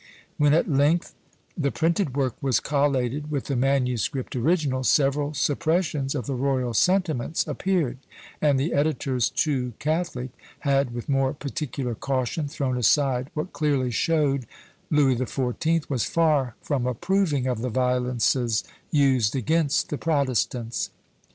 When at length the printed work was collated with the manuscript original, several suppressions of the royal sentiments appeared; and the editors, too catholic, had, with more particular caution, thrown aside what clearly showed Louis the Fourteenth was far from approving of the violences used against the protestants.